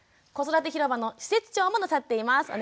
子育て広場の施設長もなさっています。